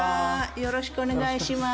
よろしくお願いします。